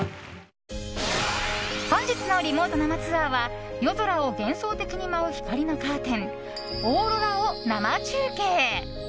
本日のリモート生ツアーは夜空を幻想的に舞う光のカーテンオーロラを生中継。